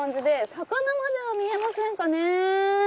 魚までは見えませんかね。